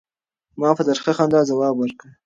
ما په ترخه خندا ځواب ورکړ.